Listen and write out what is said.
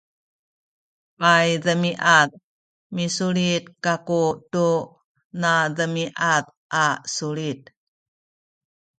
paydemiad misulit kaku tu nademiad a sulit